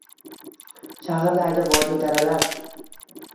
Shag’irlaydi vodiy, daralar.